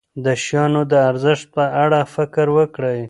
د شیانو د ارزښت په اړه فکر وکړئ.